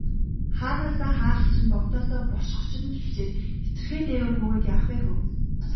Хаанаасаа хаалгач нь, богдоосоо бошгоч нь гэгчээр хэтэрхий дээгүүр гүйгээд яах вэ хөө.